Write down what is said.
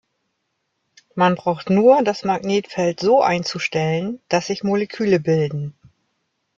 Man braucht nur das Magnetfeld so einzustellen, dass sich Moleküle bilden.